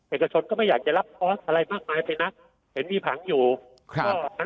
เอกชนก็ไม่อยากจะรับคอร์สอะไรมากมายไปนักเห็นมีผังอยู่ก็นะ